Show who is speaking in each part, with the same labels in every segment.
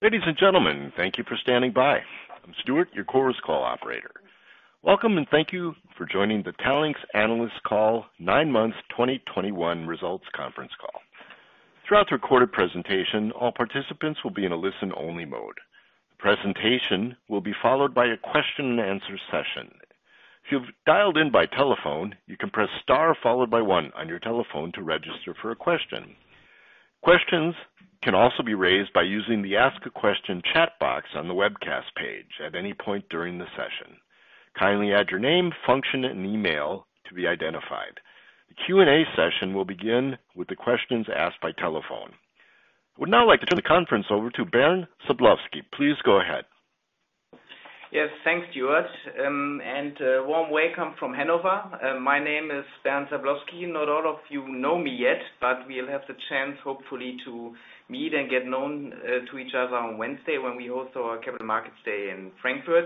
Speaker 1: Ladies and gentlemen, thank you for standing by. I'm Stuart, your Chorus Call operator. Welcome, and thank you for joining the Talanx analyst call 9 months 2021 results conference call. Throughout the recorded presentation, all participants will be in a listen-only mode. The presentation will be followed by a question and answer session. If you've dialed in by telephone, you can press star followed by one on your telephone to register for a question. Questions can also be raised by using the ask a question chat box on the webcast page at any point during the session. Kindly add your name, function, and email to be identified. The Q&A session will begin with the questions asked by telephone. I would now like to turn the conference over to Bernd Sablowsky. Please go ahead.
Speaker 2: Yes, thanks, Stuart, and a warm welcome from Hannover. My name is Bernd Sablowsky. Not all of you know me yet, but we'll have the chance, hopefully, to meet and get known to each other on Wednesday when we host our Capital Markets Day in Frankfurt.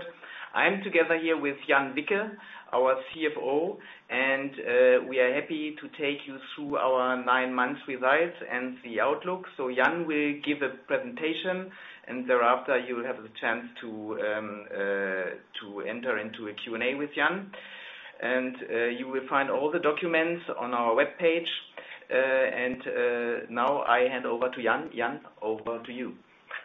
Speaker 2: I am together here with Jan Wicke, our CFO, and we are happy to take you through our nine months results and the outlook. Jan will give a presentation, and thereafter you will have the chance to enter into a Q&A with Jan. You will find all the documents on our webpage. Now I hand over to Jan. Jan, over to you.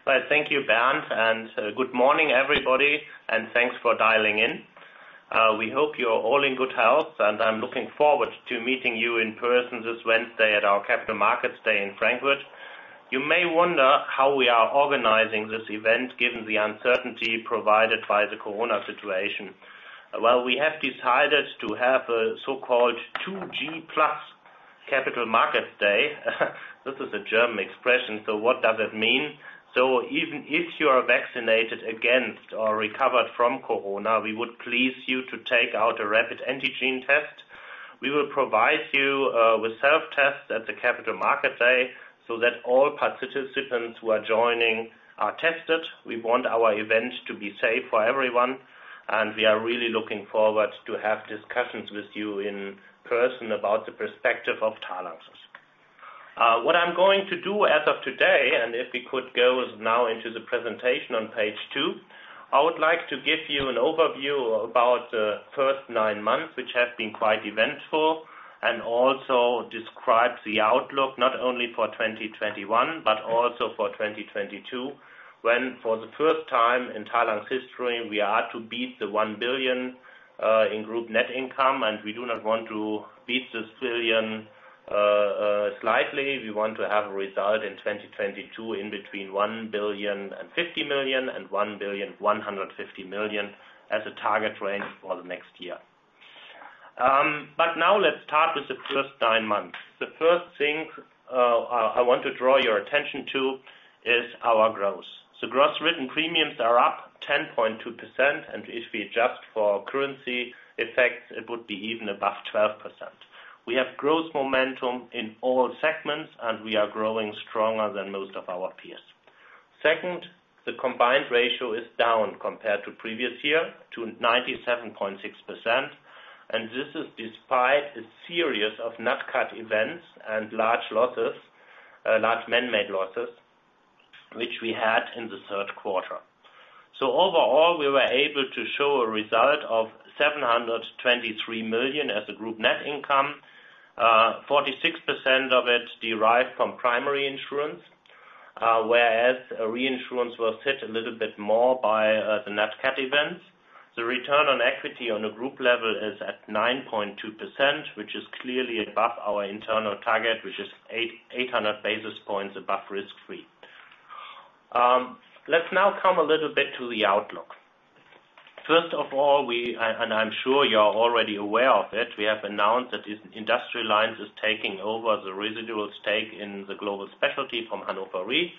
Speaker 3: Well, thank you, Bernd. Good morning, everybody, and thanks for dialing in. We hope you're all in good health, and I'm looking forward to meeting you in person this Wednesday at our Capital Markets Day in Frankfurt. You may wonder how we are organizing this event given the uncertainty provided by the Corona situation. Well, we have decided to have a so-called 2G plus Capital Markets Day. This is a German expression, so what does it mean? Even if you are vaccinated against or recovered from Corona, we would please you to take out a rapid antigen test. We will provide you with self-tests at the Capital Markets Day so that all participants who are joining are tested. We want our event to be safe for everyone, and we are really looking forward to have discussions with you in person about the perspective of Talanx. What I'm going to do as of today, and if we could go now into the presentation on page 2, I would like to give you an overview about the first nine months, which have been quite eventful, and also describe the outlook not only for 2021 but also for 2022, when for the first time in Talanx history, we are to beat the 1 billion in group net income. We do not want to beat this billion slightly. We want to have a result in 2022 in between 1.050 billion and 1.150 billion as a target range for the next year. But now let's start with the first nine months. The first thing I want to draw your attention to is our growth. Gross written premiums are up 10.2%, and if we adjust for currency effects, it would be even above 12%. We have growth momentum in all segments, and we are growing stronger than most of our peers. Second, the combined ratio is down compared to previous year to 97.6%, and this is despite a series of nat cat events and large losses, large man-made losses, which we had in the third quarter. Overall, we were able to show a result of 723 million as a group net income. 46% of it derived from primary insurance, whereas reinsurance was hit a little bit more by the nat cat events. The return on equity on a group level is at 9.2%, which is clearly above our internal target, which is 800 basis points above risk-free. Let's now come a little bit to the outlook. First of all, I'm sure you're already aware of it, we have announced that this Industrial Lines is taking over the residual stake in HDI Global Specialty from Hannover Re.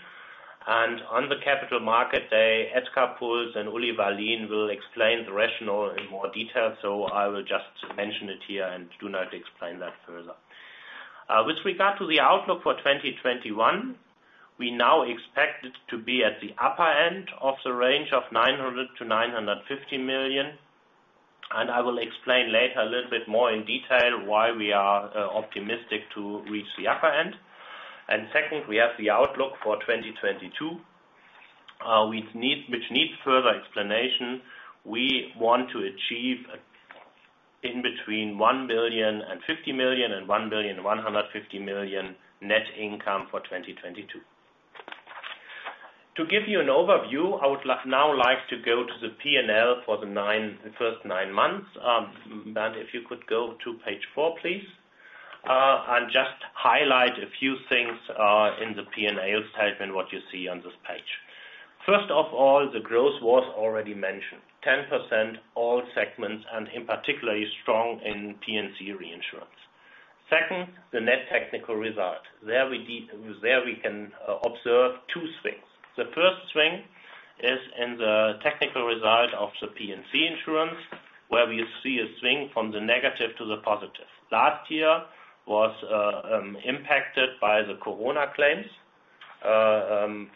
Speaker 3: On the Capital Markets Day, Edgar Puls and Ulrich Wallin will explain the rationale in more detail, so I will just mention it here and do not explain that further. With regard to the outlook for 2021, we now expect it to be at the upper end of the range of 900 million-950 million. I will explain later a little bit more in detail why we are optimistic to reach the upper end. Second, we have the outlook for 2022, which needs further explanation. We want to achieve between 1.050 billion and 1.150 billion net income for 2022. To give you an overview, I would now like to go to the P&L for the first nine months. Bernd, if you could go to page 4, please. And just highlight a few things in the P&L statement, what you see on this page. First of all, the growth was already mentioned, 10% all segments, and in particular is strong in P&C reinsurance. Second, the net technical result. There we can observe two things. The first thing is in the technical result of the P&C insurance, where we see a swing from the negative to the positive. Last year was impacted by the Corona claims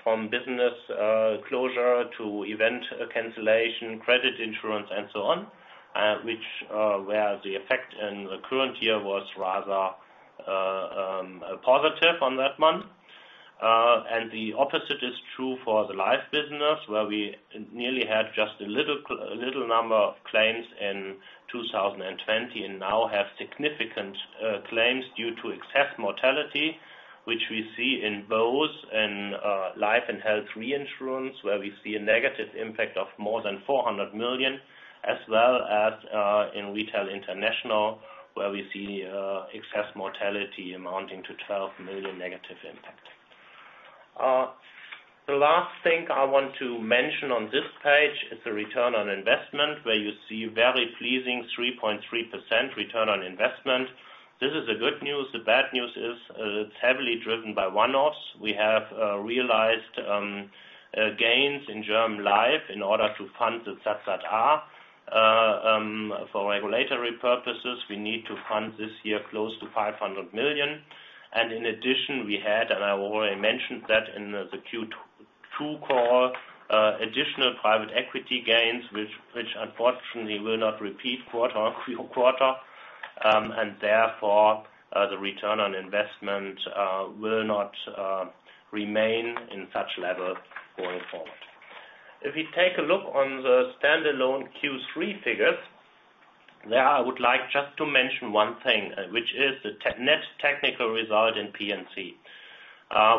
Speaker 3: from business closure to event cancellation, credit insurance, and so on, where the effect in the current year was rather positive on that front. The opposite is true for the life business, where we nearly had just a little number of claims in 2020, and now have significant claims due to excess mortality, which we see in both life and health reinsurance, where we see a negative impact of more than 400 million. As well as in Retail International, where we see excess mortality amounting to 12 million negative impact. The last thing I want to mention on this page is the return on investment, where you see very pleasing 3.3% return on investment. This is the good news. The bad news is, it's heavily driven by one-offs. We have realized gains in German Life in order to fund the ZZR. For regulatory purposes, we need to fund this year close to 500 million. In addition, we had, and I already mentioned that in the Q2 call, additional private equity gains, which unfortunately will not repeat quarter on quarter. Therefore, the return on investment will not remain in such level going forward. If we take a look at the standalone Q3 figures, there I would like just to mention one thing, which is the net technical result in P&C.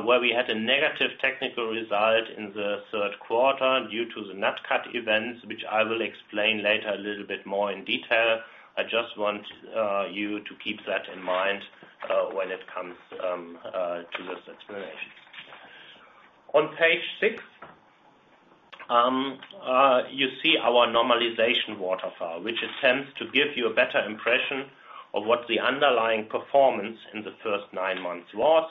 Speaker 3: Where we had a negative technical result in the third quarter due to the nat cat events, which I will explain later a little bit more in detail. I just want you to keep that in mind when it comes to this explanation. On page 6, you see our normalization waterfall, which attempts to give you a better impression of what the underlying performance in the first nine months was.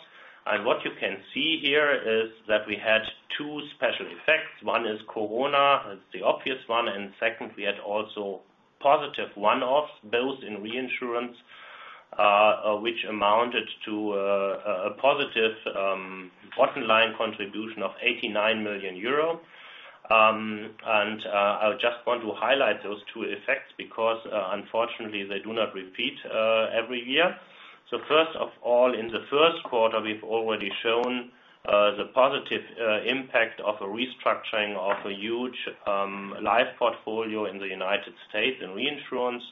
Speaker 3: What you can see here is that we had two special effects. One is Corona, that's the obvious one. Second, we had also positive one-offs, both in reinsurance, which amounted to a positive bottom line contribution of 89 million euro. I just want to highlight those two effects because, unfortunately, they do not repeat every year. First of all, in the first quarter, we've already shown the positive impact of a restructuring of a huge life portfolio in the United States in reinsurance.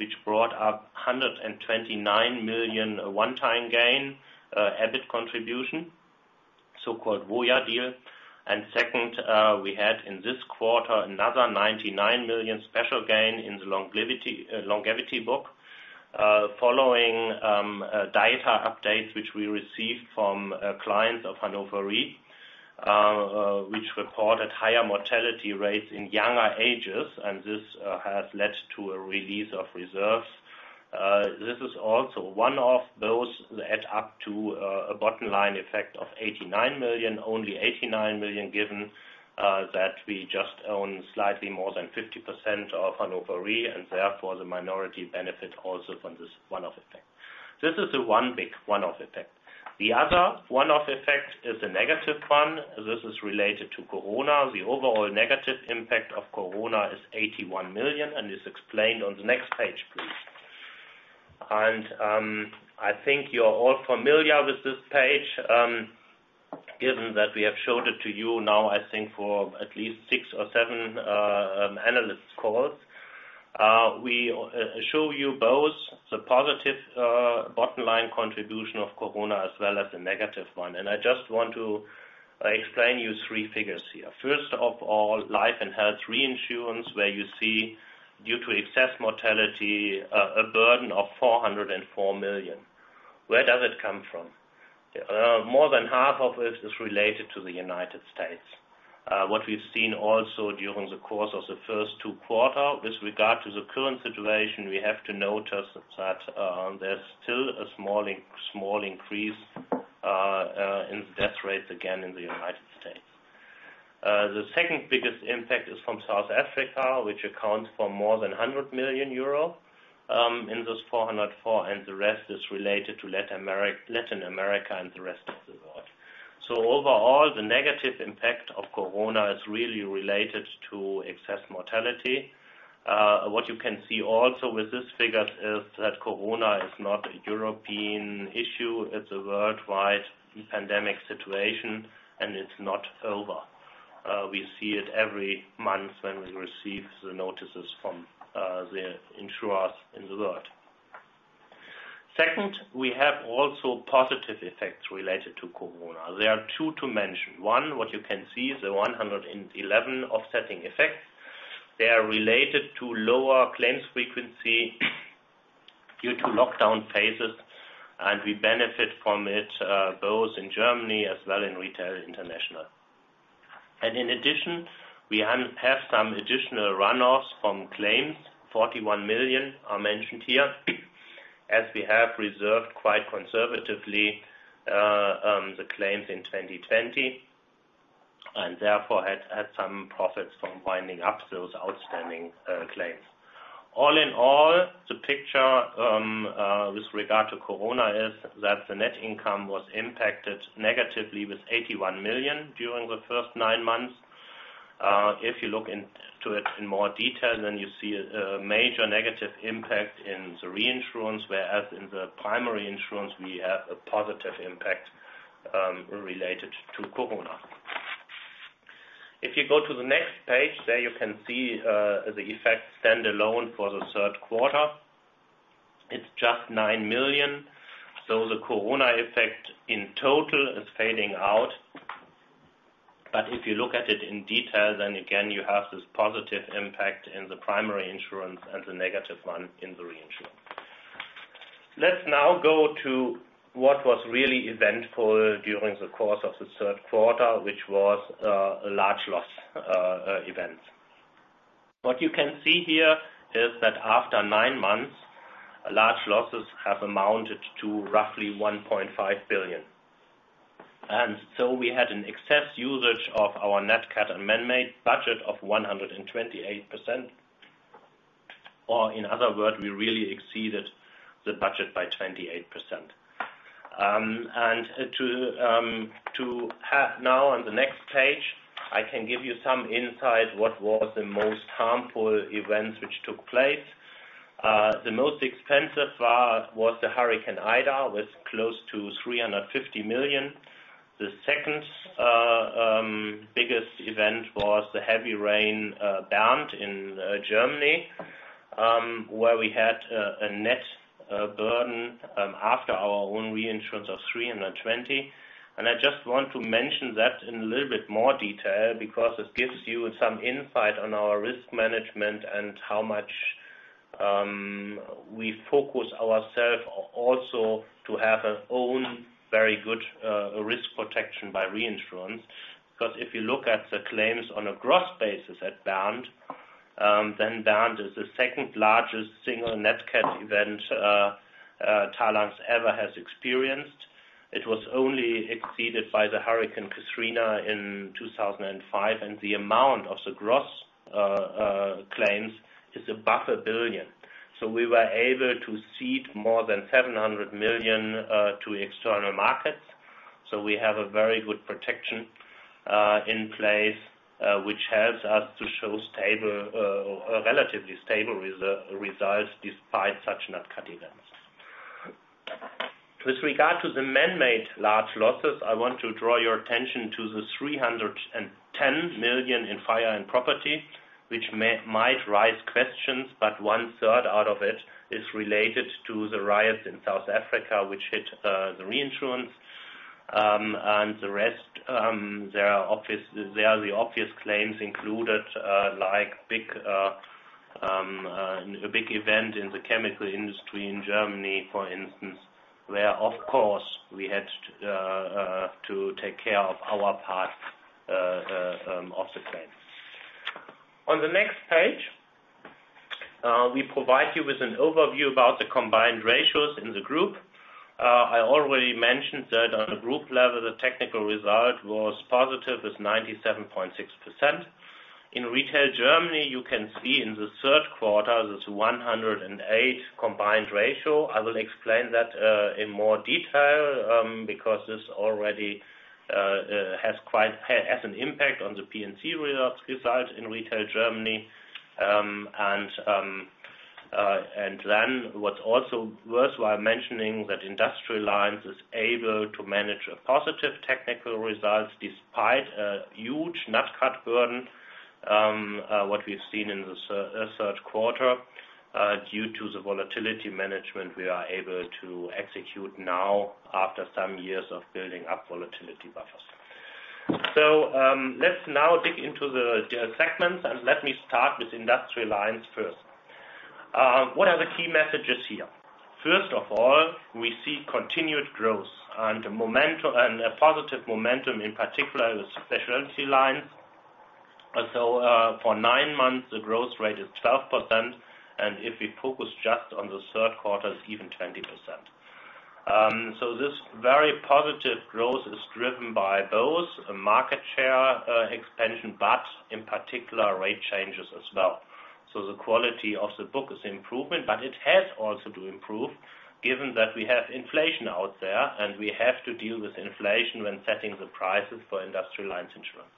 Speaker 3: Which brought a 129 million one-time gain, EBIT contribution, so-called Voya deal. Second, we had in this quarter, another 99 million special gain in the longevity book. Following data updates, which we received from clients of Hannover Re. Which recorded higher mortality rates in younger ages, and this has led to a release of reserves. This is also one of those that add up to a bottom line effect of 89 million. Only 89 million, given that we just own slightly more than 50% of Hannover Re, and therefore the minority benefit also from this one-off effect. This is the one big one-off effect. The other one-off effect is a negative one. This is related to Corona. The overall negative impact of Corona is 81 million, and is explained on the next page, please. I think you're all familiar with this page, given that we have showed it to you now, I think, for at least six or seven analyst calls. We show you both the positive bottom line contribution of Corona, as well as the negative one. I just want to explain you three figures here. First of all, life and health reinsurance, where you see, due to excess mortality, a burden of 404 million. Where does it come from? More than half of it is related to the United States. What we've seen also during the course of the first two quarters. With regard to the current situation, we have to notice that there's still a small increase in death rates again in the United States. The second biggest impact is from South Africa, which accounts for more than 100 million euro in those 404 million, and the rest is related to Latin America and the rest of the world. Overall, the negative impact of corona is really related to excess mortality. What you can see also with this figure is that corona is not a European issue. It's a worldwide pandemic situation, and it's not over. We see it every month when we receive the notices from the insurers in the world. Second, we have also positive effects related to Corona. There are two to mention. One, what you can see is the 111 offsetting effects. They are related to lower claims frequency due to lockdown phases, and we benefit from it both in Germany as well in Retail International. In addition, we have some additional runoffs from claims. 41 million are mentioned here. As we have reserved quite conservatively the claims in 2020, and therefore had some profits from winding up those outstanding claims. All in all, the picture regarding Corona is that the net income was impacted negatively with 81 million during the first nine months. If you look into it in more detail, then you see a major negative impact in the reinsurance, whereas in the primary insurance, we have a positive impact related to Corona. If you go to the next page, there you can see the effect stand alone for the third quarter. It's just 9 million. So the Corona effect in total is fading out. If you look at it in detail, then again, you have this positive impact in the primary insurance and the negative one in the reinsurance. Let's now go to what was really eventful during the course of the third quarter, which was a large loss event. What you can see here is that after nine months, large losses have amounted to roughly 1.5 billion. We had an excess usage of our nat cat and man-made budget of 128%. In other words, we really exceeded the budget by 28%. To have now on the next page, I can give you some insight what was the most harmful events which took place. The most expensive was the Hurricane Ida, with close to 350 million. The second biggest event was the heavy rain Bernd in Germany, where we had a net burden after our own reinsurance of 320 million. I just want to mention that in a little bit more detail because this gives you some insight on our risk management and how much we focus ourselves also to have our own very good risk protection by reinsurance. Because if you look at the claims on a gross basis at Bernd, then Bernd is the second largest single nat cat event Talanx ever has experienced. It was only exceeded by the Hurricane Katrina in 2005, and the amount of the gross claims is above 1 billion. We were able to cede more than 700 million to external markets. We have a very good protection in place which helps us to show stable, a relatively stable results despite such nat cat events. With regard to the man-made large losses, I want to draw your attention to 310 million in fire and property, which might raise questions, but one-third of it is related to the riots in South Africa, which hit the reinsurance. The rest, there are the obvious claims included, like a big event in the chemical industry in Germany, for instance, where, of course, we had to take care of our part of the claim. On the next page, we provide you with an overview about the combined ratios in the group. I already mentioned that on a group level, the technical result was positive with 97.6%. In Retail Germany, you can see in the third quarter this 108 combined ratio. I will explain that in more detail, because this already has an impact on the P&C result in Retail Germany. Then what's also worthwhile mentioning that Industrial Lines is able to manage a positive technical results despite a huge nat cat burden, what we've seen in the third quarter, due to the volatility management we are able to execute now after some years of building up volatility buffers. Let's now dig into the segments, and let me start with Industrial Lines first. What are the key messages here? First of all, we see continued growth and a positive momentum, in particular, the specialty lines. For nine months, the growth rate is 12%, and if we focus just on the third quarter, it's even 20%. This very positive growth is driven by both market share expansion, but in particular rate changes as well. The quality of the book is improvement, but it has also to improve given that we have inflation out there, and we have to deal with inflation when setting the prices for Industrial Lines insurance.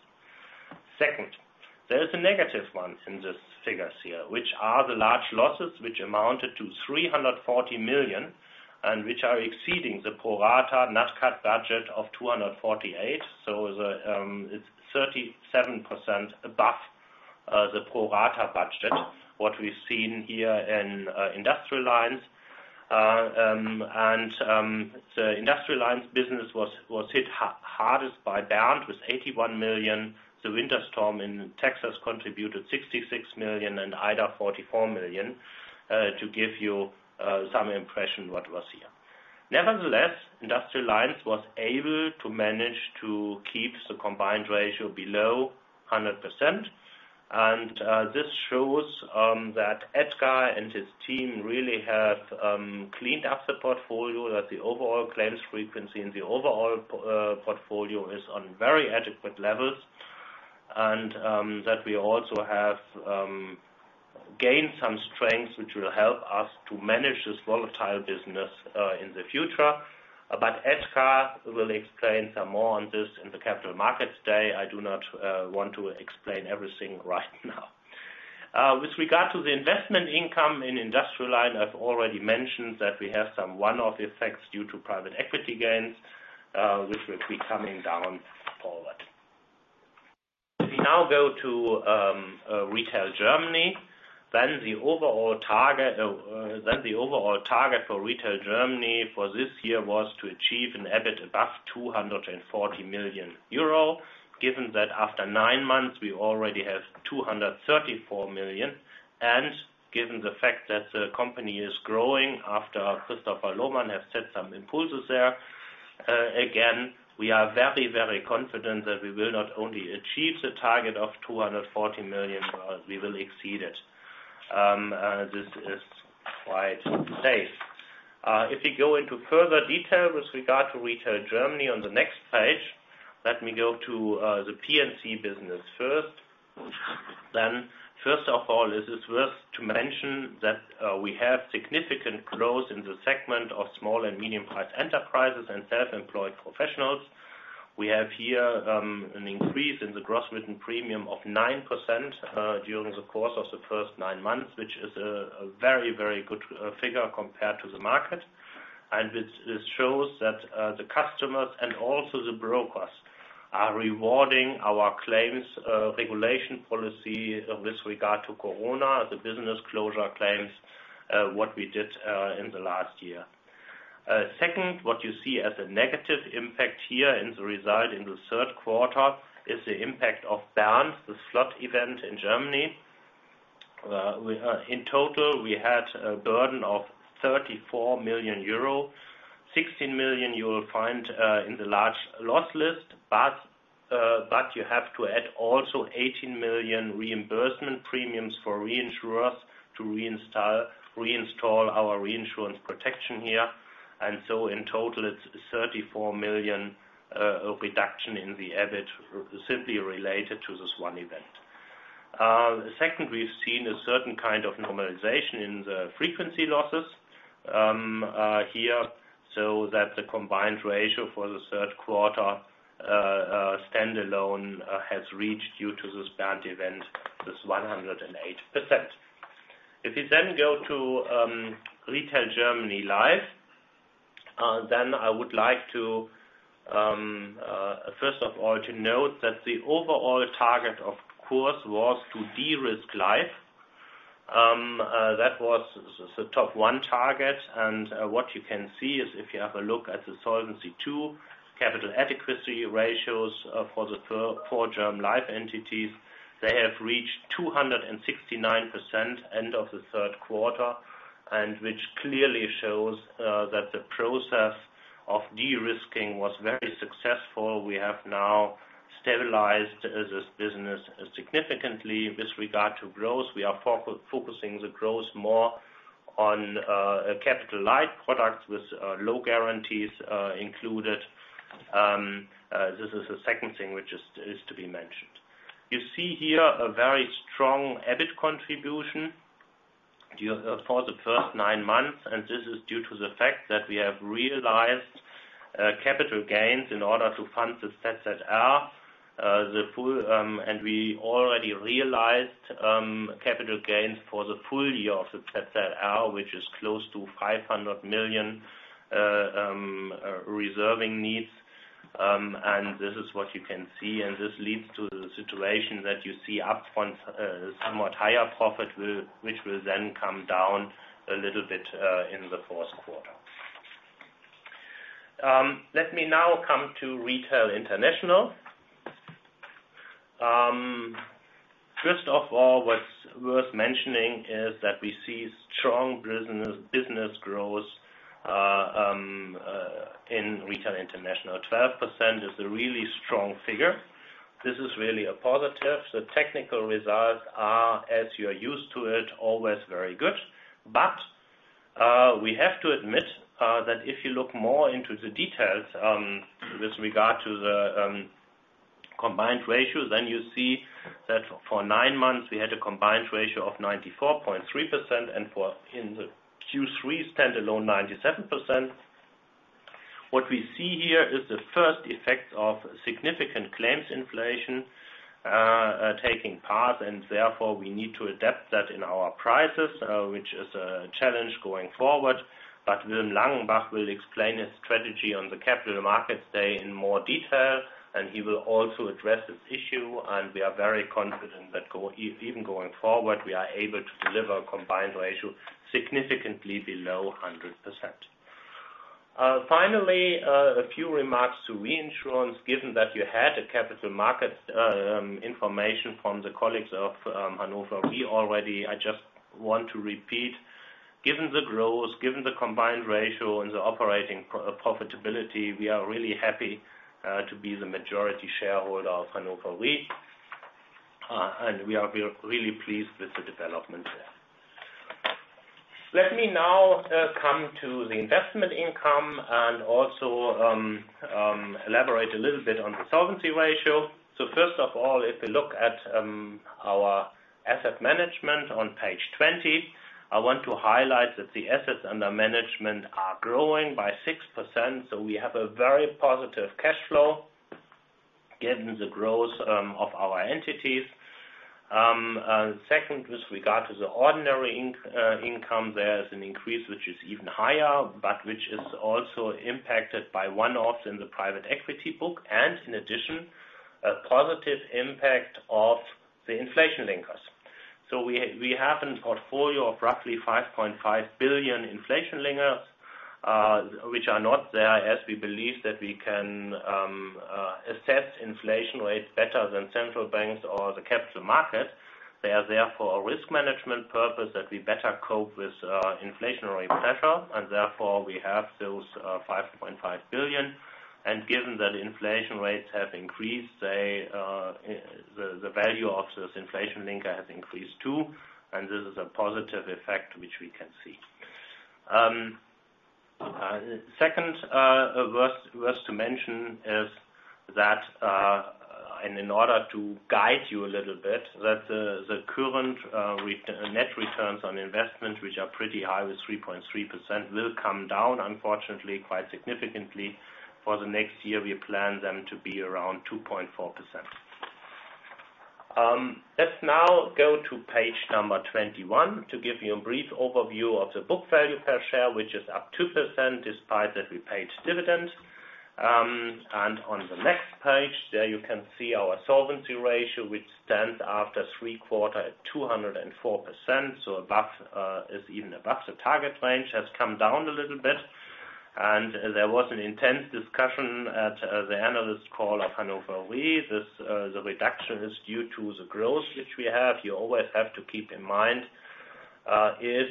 Speaker 3: Second, there is a negative one in these figures here, which are the large losses which amounted to 340 million and which are exceeding the pro rata net cat budget of 248 million. It's 37% above the pro rata budget, what we've seen here in Industrial Lines. The Industrial Lines business was hit hardest by Bernd with 81 million. The winter storm in Texas contributed 66 million and Ida, 44 million, to give you some impression what was here. Nevertheless, Industrial Lines was able to manage to keep the combined ratio below 100%. This shows that Edgar and his team really have cleaned up the portfolio, that the overall claims frequency and the overall portfolio is on very adequate levels, that we also have gained some strengths which will help us to manage this volatile business in the future. Edgar will explain some more on this in the Capital Markets Day. I do not want to explain everything right now. With regard to the investment income in Industrial Lines, I've already mentioned that we have some one-off effects due to private equity gains, which will be coming down going forward. If we now go to Retail Germany, then the overall target for Retail Germany for this year was to achieve an EBIT above 240 million euro. Given that after nine months, we already have 234 million, and given the fact that the company is growing after Christopher Lohmann have set some impulses there, again, we are very, very confident that we will not only achieve the target of 240 million, but we will exceed it. This is quite safe. If you go into further detail with regard to Retail Germany on the next page, let me go to the P&C business first. First of all, it is worth to mention that we have significant growth in the segment of small and medium-sized enterprises and self-employed professionals. We have here an increase in the gross written premium of 9% during the course of the first nine months, which is a very good figure compared to the market. It shows that the customers and also the brokers are rewarding our claims regulation policy with regard to Corona, the business closure claims what we did in the last year. Second, what you see as a negative impact here in the result in the third quarter is the impact of Bernd, the flood event in Germany. In total, we had a burden of 34 million euro. 16 million you will find in the large loss list, but you have to add also 18 million reimbursement premiums for reinsurers to reinstall our reinsurance protection here. In total, it's 34 million reduction in the EBIT simply related to this one event. Second, we've seen a certain kind of normalization in the frequency losses here, so that the combined ratio for the third quarter standalone has reached, due to this Bernd event, 108%. If we then go to Retail Germany Life, then I would like to first of all note that the overall target, of course, was to de-risk Life. That was the top one target. What you can see is if you have a look at the Solvency II capital adequacy ratios for the four German Life entities, they have reached 269% end of the third quarter, which clearly shows that the process of de-risking was very successful. We have now stabilized this business significantly with regard to growth. We are focusing the growth more on capital light products with low guarantees included. This is the second thing which is to be mentioned. You see here a very strong EBIT contribution during for the first nine months, and this is due to the fact that we have realized capital gains in order to fund the ZZR, and we already realized capital gains for the full year of the ZZR, which is close to 500 million reserving needs. This is what you can see, and this leads to the situation that you see up front, somewhat higher profit, which will then come down a little bit in the fourth quarter. Let me now come to Retail International. First of all, what's worth mentioning is that we see strong business growth in Retail International. 12% is a really strong figure. This is really a positive. The technical results are, as you are used to it, always very good. We have to admit that if you look more into the details, with regard to the combined ratio, then you see that for nine months, we had a combined ratio of 94.3% and for in the Q3 standalone, 97%. What we see here is the first effect of significant claims inflation taking part, and therefore we need to adapt that in our prices, which is a challenge going forward. Wilm Langenbach will explain his strategy on the Capital Markets Day in more detail, and he will also address this issue. We are very confident that even going forward, we are able to deliver a combined ratio significantly below 100%. Finally, a few remarks to reinsurance. Given that you had a Capital Markets Day information from the colleagues in Hannover, we already, I just want to repeat, given the growth, given the combined ratio and the operating profitability, we are really happy to be the majority shareholder of Hannover Re. We are really pleased with the development there. Let me now come to the investment income and also elaborate a little bit on the solvency ratio. First of all, if we look at our asset management on page 20, I want to highlight that the assets under management are growing by 6%, so we have a very positive cash flow given the growth of our entities. Second, with regard to the ordinary income, there is an increase which is even higher, but which is also impacted by one-offs in the private equity book and in addition, a positive impact of the inflation linkers. We have a portfolio of roughly 5.5 billion inflation linkers, which are not there as we believe that we can assess inflation rates better than central banks or the capital market. They are there for a risk management purpose that we better cope with inflationary pressure, and therefore we have those 5.5 billion. Given that inflation rates have increased, the value of this inflation linker has increased too, and this is a positive effect which we can see. Second worth to mention is that, in order to guide you a little bit, that the current net returns on investment, which are pretty high with 3.3%, will come down, unfortunately, quite significantly. For the next year, we plan them to be around 2.4%. Let's now go to page 21 to give you a brief overview of the book value per share, which is up 2% despite that we paid dividend. On the next page, there you can see our solvency ratio, which stands after three quarters at 204%. So above is even above the target range, has come down a little bit. There was an intense discussion at the analyst call of Hannover Re. The reduction is due to the growth which we have. You always have to keep in mind if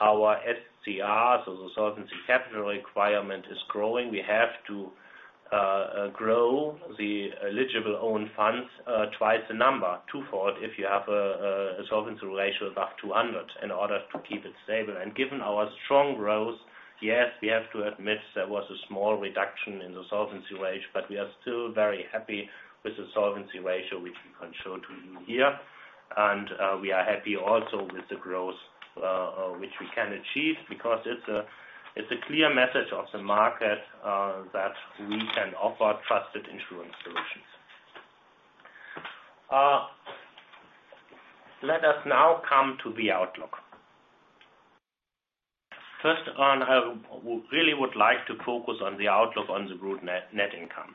Speaker 3: our SCR, so the solvency capital requirement is growing, we have to grow the eligible own funds twice the number. Twofold, if you have a solvency ratio above 200 in order to keep it stable. Given our strong growth, yes, we have to admit there was a small reduction in the solvency ratio, but we are still very happy with the solvency ratio, which we can show to you here. We are happy also with the growth which we can achieve because it's a clear message of the market that we can offer trusted insurance solutions. Let us now come to the outlook. First off, I really would like to focus on the outlook on the Group net income.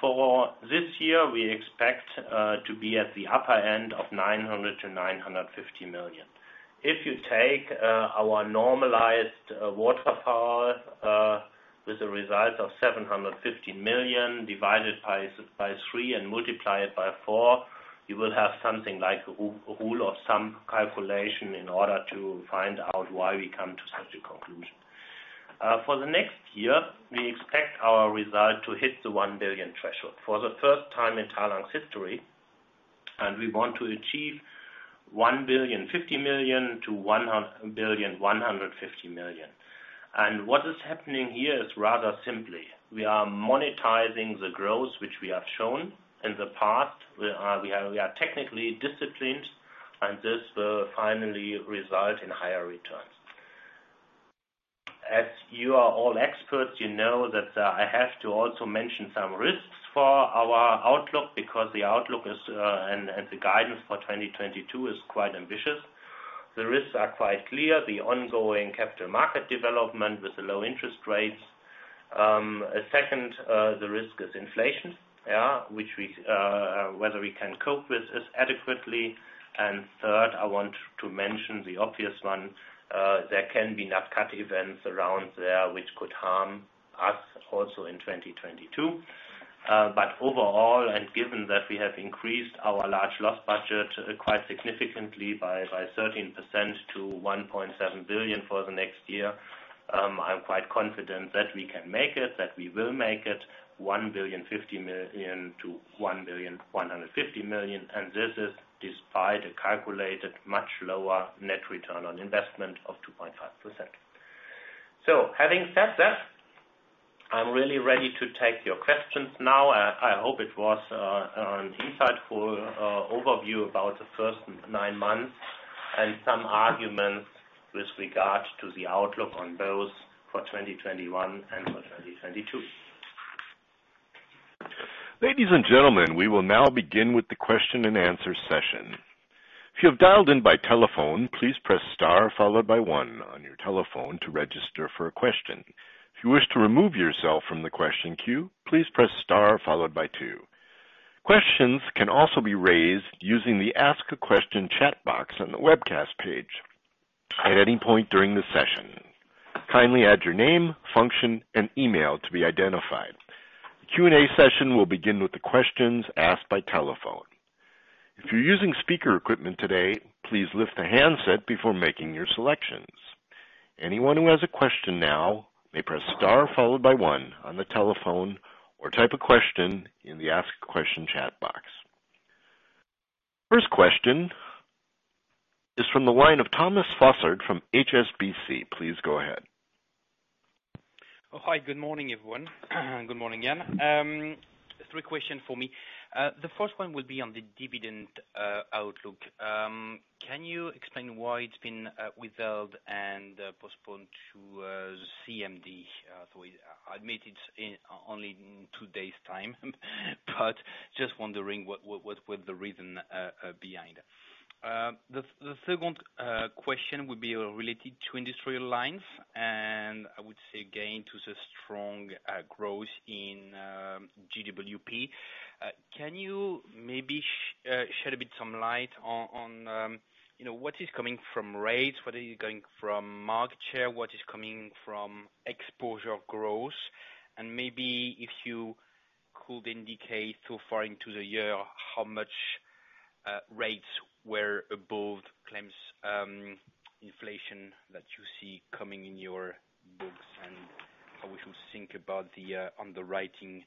Speaker 3: For this year, we expect to be at the upper end of 900 million-950 million. If you take our normalized underwriting power with a result of 750 million divided by three and multiply it by four, you will have something like a rule or some calculation in order to find out why we come to such a conclusion. For the next year, we expect our result to hit the 1 billion threshold for the first time in Talanx's history, and we want to achieve 1.050 billion-1.150 billion. What is happening here is rather simple. We are monetizing the growth which we have shown in the past. We are technically disciplined, and this will finally result in higher returns. As you are all experts, you know that I have to also mention some risks for our outlook because the outlook is and the guidance for 2022 is quite ambitious. The risks are quite clear, the ongoing capital market development with the low interest rates. Second, the risk is inflation, which we whether we can cope with as adequately. Third, I want to mention the obvious one, there can be nat cat events around there which could harm us also in 2022. Overall, given that we have increased our large loss budget quite significantly by 13% to 1.7 billion for the next year, I'm quite confident that we can make it, that we will make it 1.050 billion-1.150 billion. This is despite a calculated much lower net return on investment of 2.5%. Having said that, I'm really ready to take your questions now. I hope it was an insightful overview about the first nine months and some arguments with regard to the outlook on both for 2021 and for 2022.
Speaker 1: Ladies and gentlemen, we will now begin with the question-and-answer session. If you have dialed in by telephone, please press star followed by one on your telephone to register for a question. If you wish to remove yourself from the question queue, please press star followed by two. Questions can also be raised using the ask a question chat box on the webcast page at any point during the session. Kindly add your name, function, and email to be identified. The Q&A session will begin with the questions asked by telephone. If you're using speaker equipment today, please lift the handset before making your selections. Anyone who has a question now may press star followed by one on the telephone or type a question in the ask a question chat box. First question is from the line of Thomas Fossard from HSBC. Please go ahead.
Speaker 4: Oh, hi, good morning, everyone. Good morning, Jan. Three questions for me. The first one will be on the dividend outlook. Can you explain why it's been withheld and postponed to CMD? I admit it's only in two days time, but just wondering what were the reason behind. The second question would be related to Industrial Lines, and I would say again, to the strong growth in GWP. Can you maybe shed a bit some light on, you know, what is coming from rates? What is going from market share? What is coming from exposure growth? Maybe if you could indicate so far into the year, how much rates were above claims inflation that you see coming in your books, and how we should think about the underwriting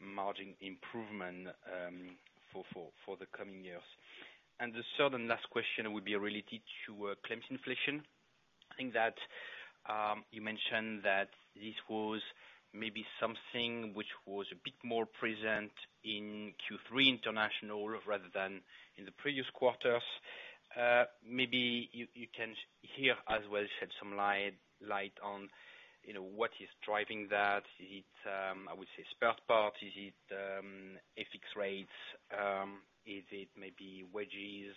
Speaker 4: margin improvement for the coming years. The third and last question would be related to claims inflation. I think that you mentioned that this was maybe something which was a bit more present in Q3 international rather than in the previous quarters. Maybe you can here as well shed some light on, you know, what is driving that. Is it, I would say spare parts? Is it FX rates? Is it maybe wages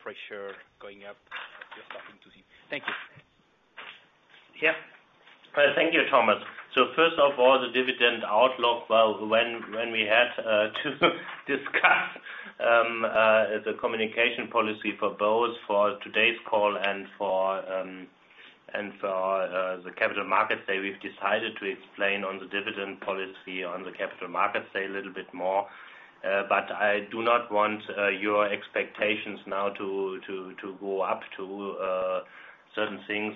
Speaker 4: pressure going up? Just looking to see. Thank you.
Speaker 3: Yeah. Thank you, Thomas. First of all, the dividend outlook. Well, when we had to discuss the communication policy for both, for today's call and for the Capital Markets Day, we've decided to explain the dividend policy on the Capital Markets Day a little bit more. I do not want your expectations now to go up to certain things.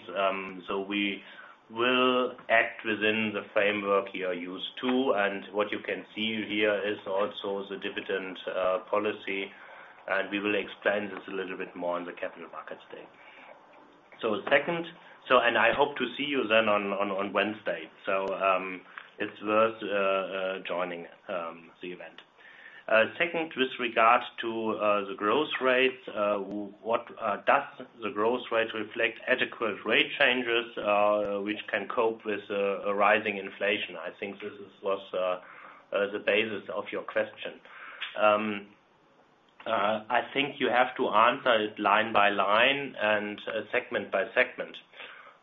Speaker 3: We will act within the framework you are used to. What you can see here is also the dividend policy, and we will explain this a little bit more on the Capital Markets Day. Second, I hope to see you then on Wednesday. It's worth joining the event. Second, with regards to the growth rates. What does the growth rate reflect adequate rate changes, which can cope with a rising inflation? I think this is the basis of your question. I think you have to answer it line by line and segment by segment.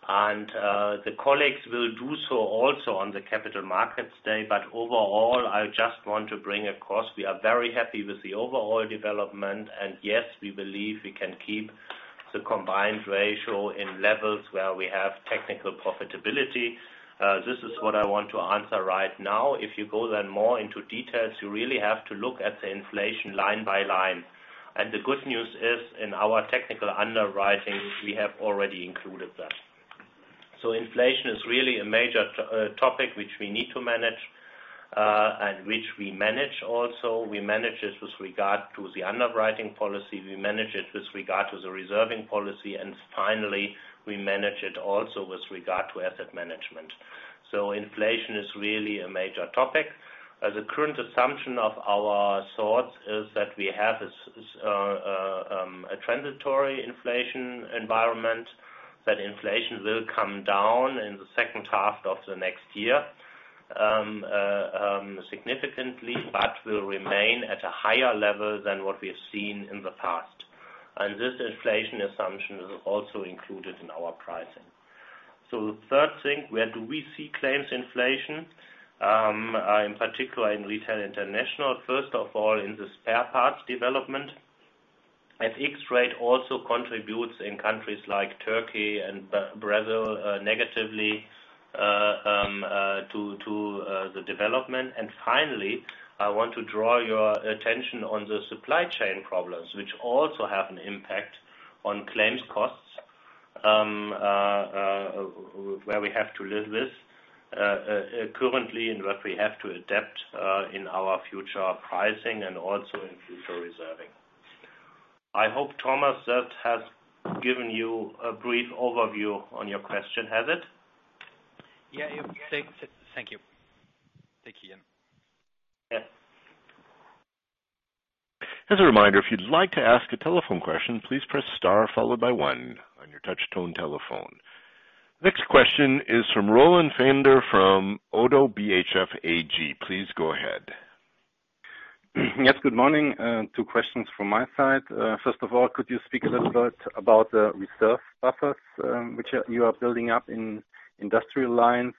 Speaker 3: The colleagues will do so also on the Capital Markets Day. Overall, I just want to bring across, we are very happy with the overall development, and yes, we believe we can keep the combined ratio in levels where we have technical profitability. This is what I want to answer right now. If you go then more into details, you really have to look at the inflation line by line. The good news is, in our technical underwriting, we have already included that. Inflation is really a major topic which we need to manage, and which we manage also. We manage it with regard to the underwriting policy. We manage it with regard to the reserving policy. Finally, we manage it also with regard to asset management. Inflation is really a major topic. The current assumption of our thoughts is that we have a transitory inflation environment, that inflation will come down in the second half of the next year, significantly, but will remain at a higher level than what we've seen in the past. This inflation assumption is also included in our pricing. The third thing, where do we see claims inflation? In particular in Retail International, first of all, in the spare parts development. FX rate also contributes in countries like Turkey and Brazil negatively to the development. Finally, I want to draw your attention on the supply chain problems, which also have an impact on claims costs, where we have to live with currently, and what we have to adapt in our future pricing and also in future reserving. I hope, Thomas, that has given you a brief overview on your question. Has it?
Speaker 4: Yeah. Thank you. Thank you, Jan.
Speaker 3: Yeah.
Speaker 1: As a reminder, if you'd like to ask a telephone question, please press star followed by one on your touch tone telephone. Next question is from Roland Pfänder from Oddo BHF AG. Please go ahead.
Speaker 5: Yes, good morning. Two questions from my side. First of all, could you speak a little bit about the reserve buffers, which you are building up in Industrial Lines?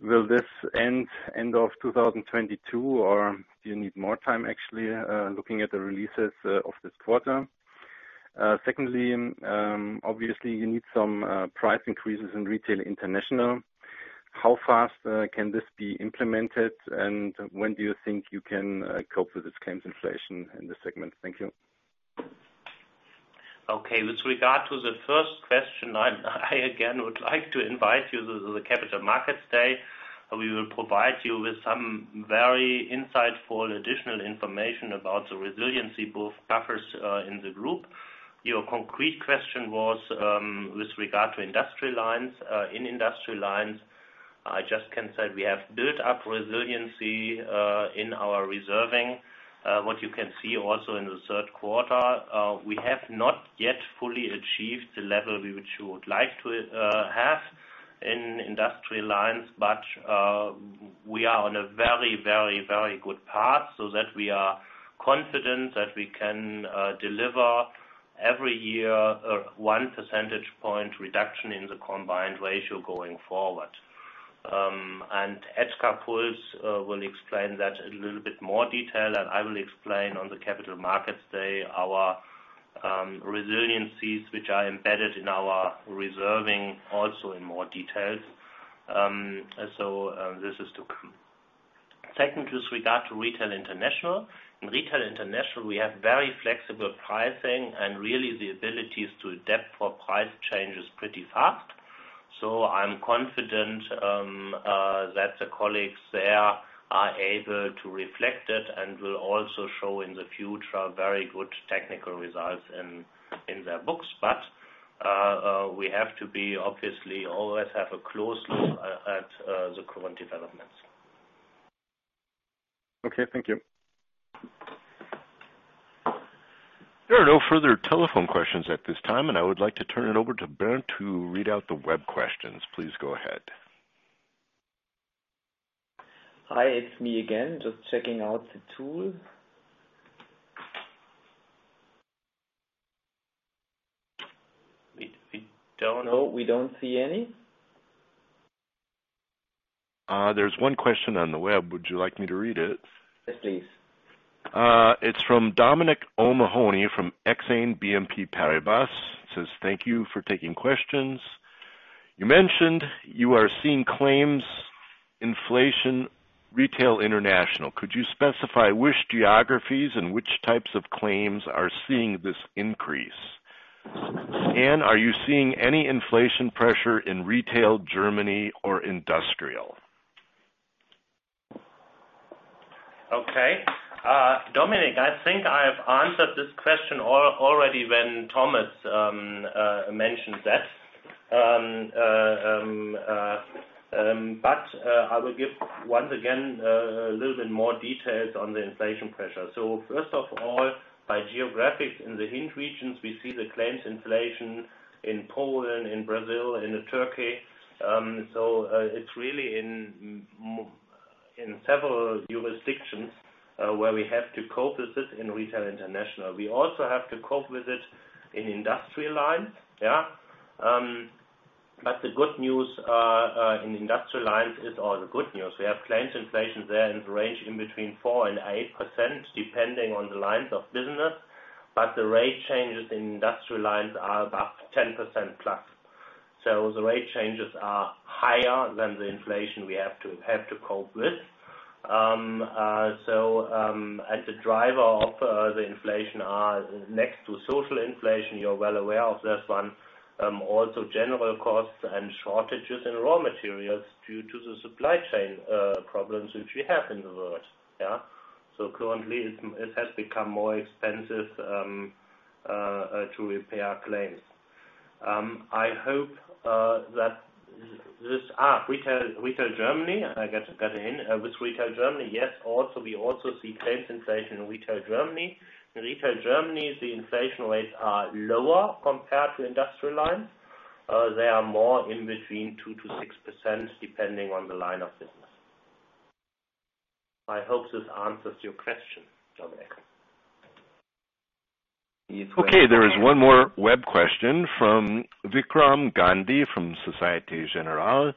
Speaker 5: Will this end of 2022, or do you need more time actually, looking at the releases of this quarter? Secondly, obviously you need some price increases in Retail International. How fast can this be implemented, and when do you think you can cope with this claims inflation in this segment? Thank you.
Speaker 3: Okay. With regard to the first question, I again would like to invite you to the Capital Markets Day. We will provide you with some very insightful additional information about the resiliency, both buffers, in the group. Your concrete question was, with regard to Industrial Lines. In Industrial Lines, I just can say we have built up resiliency, in our reserving. What you can see also in the third quarter, we have not yet fully achieved the level we would like to have in Industrial Lines. We are on a very good path so that we are confident that we can deliver every year, one percentage point reduction in the combined ratio going forward. Edgar Puls will explain that in a little bit more detail. I will explain on the Capital Markets Day our resiliencies which are embedded in our reserving also in more details. This is to come. Second, with regard to Retail International. In Retail International, we have very flexible pricing and really the abilities to adapt for price changes pretty fast. I'm confident that the colleagues there are able to reflect it and will also show in the future very good technical results in their books. But we have to obviously always have a close look at the current developments.
Speaker 5: Okay, thank you.
Speaker 1: There are no further telephone questions at this time, and I would like to turn it over to Bernd to read out the web questions. Please go ahead.
Speaker 2: Hi, it's me again. Just checking out the tool. We don't know. We don't see any.
Speaker 1: There's one question on the web. Would you like me to read it?
Speaker 3: Yes, please.
Speaker 1: It's from Dominic O’Mahony from Exane BNP Paribas. Says, "Thank you for taking questions. You mentioned you are seeing claims inflation in Retail International. Could you specify which geographies and which types of claims are seeing this increase? And are you seeing any inflation pressure in Retail Germany or Industrial Lines?
Speaker 3: Okay. Dominic, I think I have answered this question already when Thomas mentioned that. I will give once again a little bit more details on the inflation pressure. First of all, by geography, in the INT regions, we see the claims inflation in Poland, in Brazil, in Turkey. It's really in several jurisdictions where we have to cope with this in Retail International. We also have to cope with it in Industrial Lines, yeah. The good news in Industrial Lines is we have claims inflation there in the range in between 4% and 8%, depending on the lines of business. Rate changes in Industrial Lines are about 10% plus. The rate changes are higher than the inflation we have to cope with. As the driver of the inflation are next to social inflation, you're well aware of this one, also general costs and shortages in raw materials due to the supply chain problems which we have in the world. Yeah. Currently it has become more expensive to repair claims. I hope that this. Retail Germany. I got to get in with Retail Germany. Yes, we also see claims inflation in Retail Germany. In Retail Germany, the inflation rates are lower compared to Industrial Lines. They are more in between 2%-6%, depending on the line of business. I hope this answers your question, Dominic.
Speaker 1: Okay, there is one more web question from Vikram Gandhi from Societe Generale.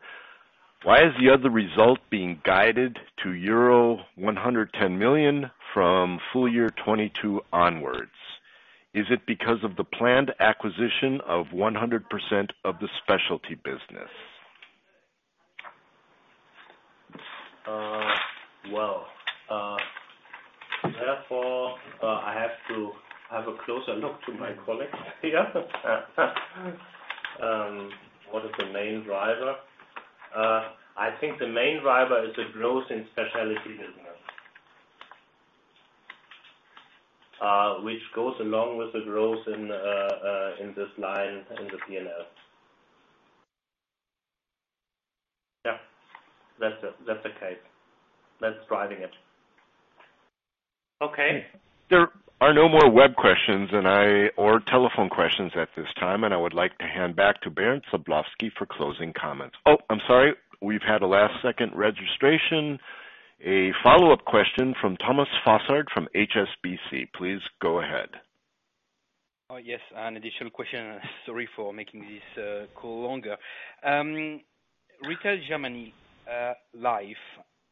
Speaker 1: Why is the other result being guided to euro 110 million from full year 2022 onwards? Is it because of the planned acquisition of 100% of the specialty business?
Speaker 3: Well, therefore, I have to have a closer look to my colleague here. What is the main driver? I think the main driver is the growth in specialty business. Which goes along with the growth in this line in the P&L. Yeah. That's the case. That's driving it. Okay.
Speaker 1: There are no more web questions and telephone questions at this time, and I would like to hand back to Bernd Sablowsky for closing comments. Oh, I'm sorry. We've had a last second registration. A follow-up question from Thomas Fossard from HSBC. Please go ahead.
Speaker 4: Oh, yes, an additional question. Sorry for making this call longer. Retail Germany Life.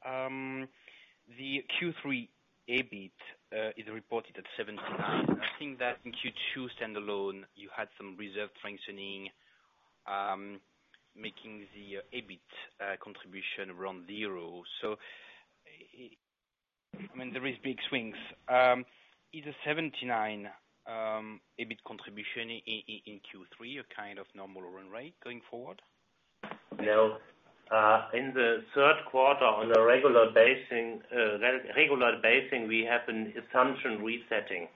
Speaker 4: The Q3 EBIT is reported at 79 million. I think that in Q2 standalone, you had some reserve strengthening, making the EBIT contribution around zero. I mean, there is big swings. Is the 79 million EBIT contribution in Q3 a kind of normal run rate going forward?
Speaker 3: No. In the third quarter on a regular basis, we have an assumption resetting,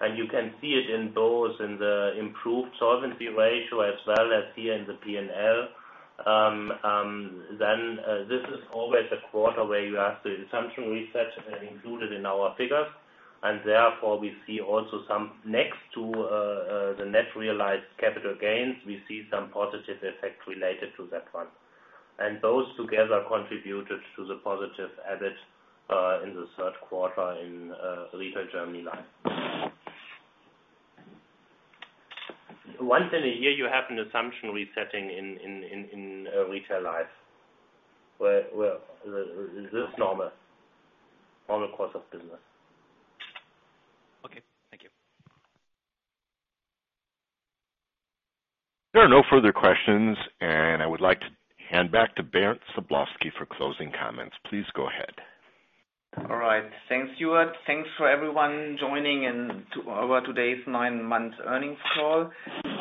Speaker 3: and you can see it in both the improved solvency ratio as well as here in the P&L. This is always the quarter where you have the assumption reset included in our figures, and therefore we see also some, next to the net realized capital gains. We see some positive effects related to that one. Those together contributed to the positive EBIT in the third quarter in Retail Germany Life. Once a year, you have an assumption resetting in Retail Life, where this is normal on the course of business.
Speaker 4: Okay. Thank you.
Speaker 1: There are no further questions, and I would like to hand back to Bernd Sablowsky for closing comments. Please go ahead.
Speaker 2: All right. Thanks, Stuart. Thanks for everyone joining in to our today's nine-month earnings call.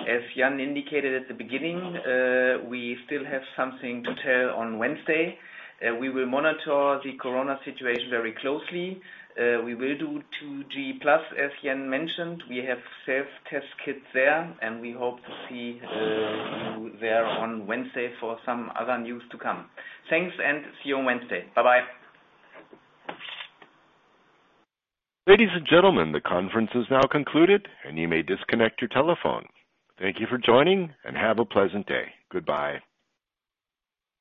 Speaker 2: As Jan indicated at the beginning, we still have something to tell on Wednesday. We will monitor the Corona situation very closely. We will do 2G plus, as Jan mentioned. We have self-test kits there, and we hope to see you there on Wednesday for some other news to come. Thanks, and see you on Wednesday. Bye-bye.
Speaker 1: Ladies and gentlemen, the conference is now concluded, and you may disconnect your telephone. Thank you for joining, and have a pleasant day. Goodbye.